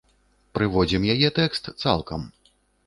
Прыводзім яе тэкст цалкам.